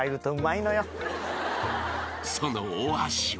［そのお味は］